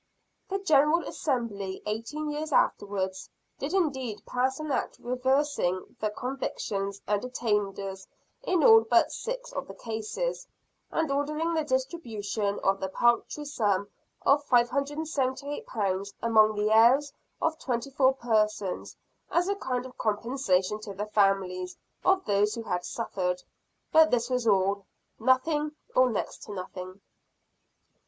The General Assembly, eighteen years afterwards, did indeed pass an act reversing the convictions and attainders in all but six of the cases; and ordering the distribution of the paltry sum of £578 among the heirs of twenty four persons, as a kind of compensation to the families of those who had suffered; but this was all nothing, or next to nothing!